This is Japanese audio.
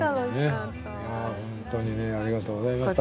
本当にねありがとうございました。